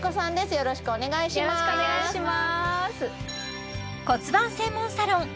よろしくお願いします